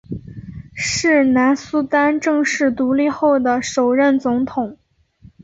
是南苏丹正式独立后的首任总统。